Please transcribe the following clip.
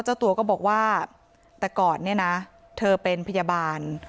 เจ้าตัวก็บอกว่าแต่ก่อนเนี่ยนะเธอเป็นพยาบาล